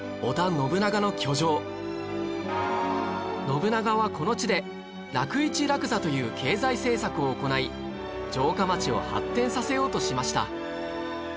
信長はこの地で楽市楽座という経済政策を行い城下町を発展させようとしました